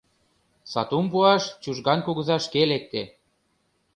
Сатум пуаш Чужган кугыза шке лекте.